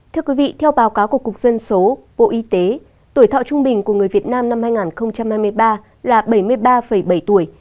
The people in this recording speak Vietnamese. thưa quý vị theo báo cáo của cục dân số bộ y tế tuổi thọ trung bình của người việt nam năm hai nghìn hai mươi ba là bảy mươi ba bảy tuổi